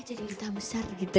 jadi duta besar gitu